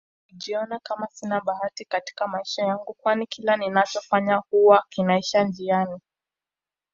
Nilijiona Kama Sina bahati Katika maisha yangu kwani kila ninacho fanya huwa kinaisha njiani